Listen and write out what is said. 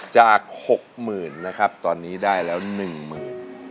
จากหกหมื่นนะครับตอนนี้ได้แล้วหนึ่งหมื่น